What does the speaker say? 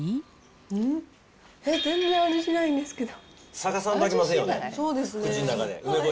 うん？え、全然味しないんですけど。